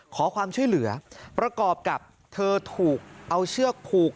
ขอความช่วยเหลือประกอบกับเธอถูกเอาเชือกผูก